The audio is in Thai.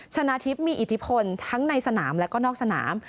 ชนะทิพย์มีอิทธิพลทั้งในสนามและก็นอกสนาม